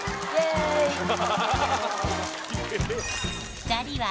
２人は